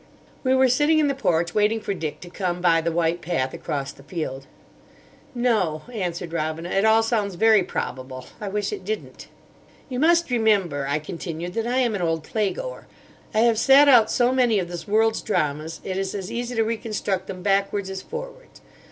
We were sitting in the porch, waiting for Dick to come by the white path across the field. "No," answered Robina. "It all sounds very probable. I wish it didn't." "You must remember," I continued, "that I am an old playgoer. I have sat out so many of this world's dramas. It is as easy to reconstruct them backwards as forwards.